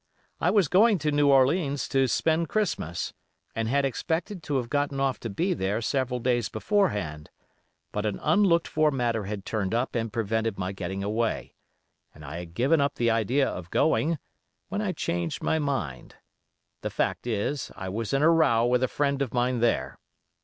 I was going to New Orleans to spend Christmas, and had expected to have gotten off to be there several days beforehand, but an unlooked for matter had turned up and prevented my getting away, and I had given up the idea of going, when I changed my mind: the fact is, I was in a row with a friend of mine there.